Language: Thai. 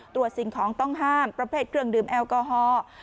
สิ่งของต้องห้ามประเภทเครื่องดื่มแอลกอฮอล์